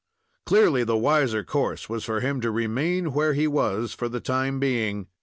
Clearly, the wiser course was for him to remain where he was for the time being.